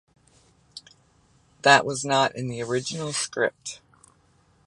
That was not in the original script.